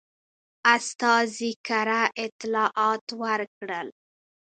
استازي کره اطلاعات ورکړل.